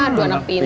aduh anak pintar